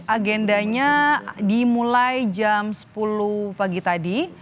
agendanya dimulai jam sepuluh pagi tadi